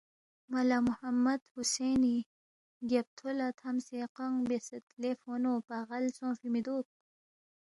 ملا محمد حسینی گیب تھو لا تھمسے قانگ بیاسید لے فونو پاغل سونگفی میدوک؟